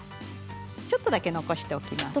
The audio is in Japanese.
ちょっとだけ残しておきます。